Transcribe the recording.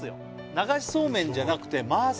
流しそうめんじゃなくて回す